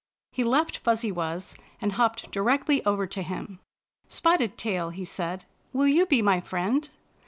He left Fuzzy Wuzz, and hopped directly over to him. '' Spotted Tail," he said, " will you be my friend?"